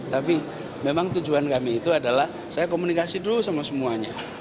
tapi memang tujuan kami itu adalah saya komunikasi dulu sama semuanya